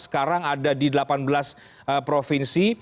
sekarang ada di delapan belas provinsi